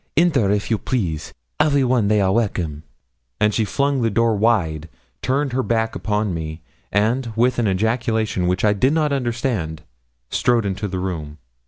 Enter, if you please. Every one they are welcome!' and she flung the door wide, turned her back upon me, and, with an ejaculation which I did not understand, strode into the room.